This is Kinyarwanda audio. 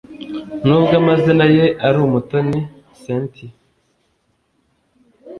nubwo amazina ye ari umutoni cynthia